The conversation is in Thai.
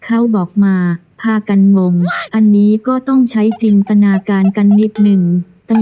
เขาบอกมาพากันงงอันนี้ก็ต้องใช้จินตนาการกันนิดนึง